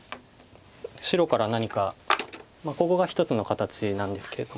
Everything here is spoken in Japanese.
白から何かここが一つの形なんですけれども。